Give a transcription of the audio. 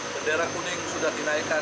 bendera kuning sudah dinaikkan